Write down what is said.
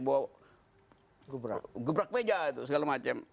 buat gebrak meja segala macam